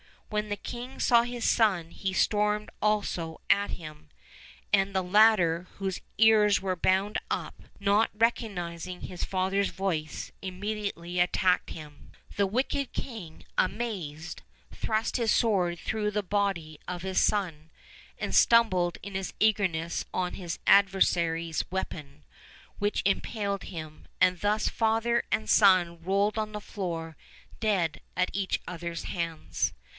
When the king saw his son he stormed also at him; and the latter, whose ears were bound up, not recognizing his father's voice, immediately attacked him. The wicked king, amazed, thrust his sword through the body of his son, and stumbled in his eagerness on his adversary's weapon, which impaled him, and thus father and son rolled on the floor dead at each other's hands.